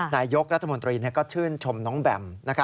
นายกรัฐมนตรีก็ชื่นชมน้องแบม